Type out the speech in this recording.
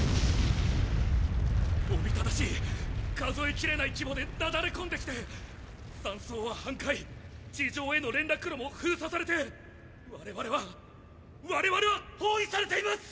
夥しい数えきれない規模で雪崩こんで来て山荘は半壊地上への連絡路も封鎖されて我々は我々は包囲されています！